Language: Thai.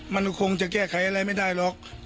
มันคงจะแก้ไขอะไรไม่ได้หรอก